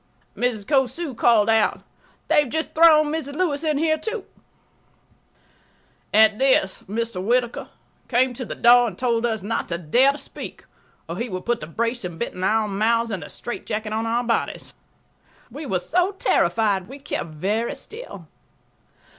Mrs. Cosu called out, "They have just thrown Mrs. Lewis in here, too." At this Mr. Whittaker came to the door and told us not to dare to speak, or he would put the brace and bit in our mouths and the straitjacket on our bodies. We were so terrified we kept very still.